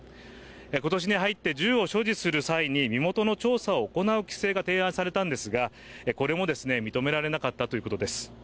今年に入って銃を所持する際に身元の調査を行う規制が提案されたんですがこれも認められなかったということです。